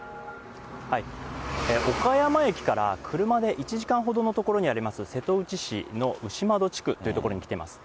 岡山駅から車で１時間ほどの所にあります、瀬戸内市の牛窓地区という所に来ています。